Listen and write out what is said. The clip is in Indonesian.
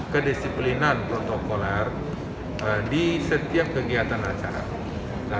kedisiplinan protokoler di setiap kegiatan acara